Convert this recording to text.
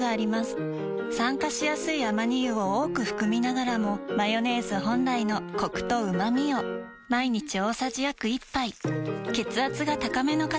酸化しやすいアマニ油を多く含みながらもマヨネーズ本来のコクとうまみを毎日大さじ約１杯血圧が高めの方に機能性表示食品